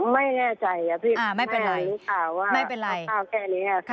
ไม่แน่ใจแม่มีข่าวแค่นี้ค่ะ